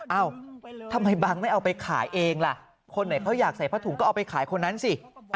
เอ้าทำไมบังไม่เอาไปขายเองล่ะคนไหนเขาอยากใส่ผ้าถุงก็เอาไปขายคนนั้นสิ